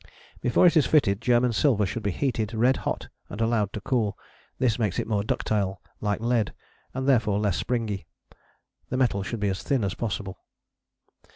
] Before it is fitted, German silver should be heated red hot and allowed to cool. This makes it more ductile, like lead, and therefore less springy: the metal should be as thin as possible.